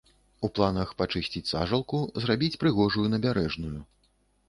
У планах пачысціць сажалку, зрабіць прыгожую набярэжную.